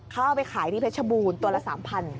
เขาเอาไปขายที่เพชรบูรณ์ตัวละ๓๐๐บาท